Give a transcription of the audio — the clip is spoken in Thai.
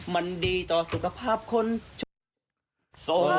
มันดีต่อสุขภาพคนชุมชน